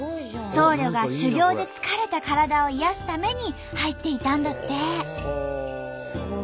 僧侶が修行で疲れた体を癒やすために入っていたんだって！